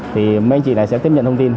thì mấy anh chị này sẽ tiếp nhận thông tin